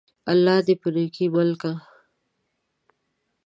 الله دي په نيکۍ مل که!